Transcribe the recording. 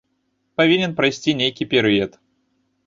Павінен прайсці нейкі перыяд.